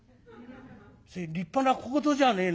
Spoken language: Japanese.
「それ立派な小言じゃねえのか」。